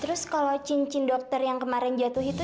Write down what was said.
terus kalau cincin dokter yang kemarin jatuh itu